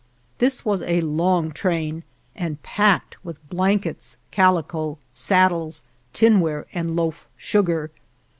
This was a long train, and packed with blankets, calico, saddles, tinware, and loaf sugar.